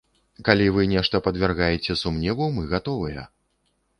Калі вы нешта падвяргаеце сумневу, мы гатовыя.